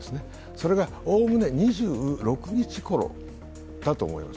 それが概ね２６日ごろだと思います。